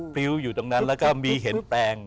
ริ้วอยู่ตรงนั้นแล้วก็มีเห็นแปลง